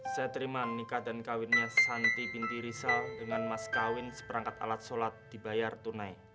saya terima nikah dan kawinnya santi binti risa dengan mas kawin seperangkat alat sholat dibayar tunai